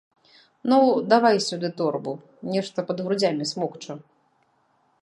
Ну, давай сюды торбу, нешта пад грудзямі смокча.